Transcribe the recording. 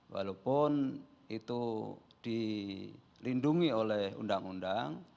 walaupun itu dilindungi oleh undang undang